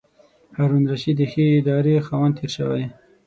هارون الرشید د ښې ادارې خاوند تېر شوی.